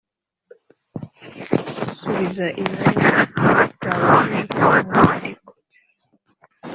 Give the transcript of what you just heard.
Subiza ibibazo byabajijwe ku mwandiko “